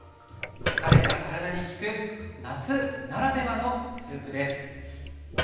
疲れた体に効く夏ならではのスープです。